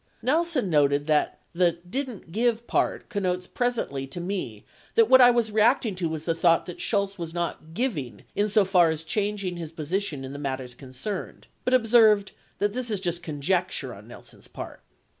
50 Nelson noted that "the 'didn't give' part connotes presently to me that what I was reacting to was the thought that Shultz was not 'giving' insofar as changing his position in the matters concerned," but observed that "this is just conjecture" on Nelson's part